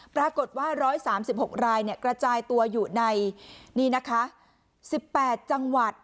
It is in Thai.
ปรากฏว่า๑๓๖รายกระจายตัวอยู่ในนี่นะคะ๑๘จังหวัด